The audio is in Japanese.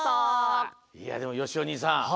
いやでもよしおにいさん。